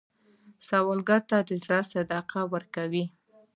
سوالګر ته د زړه صدقه ورکوئ